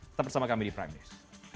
tetap bersama kami di prime news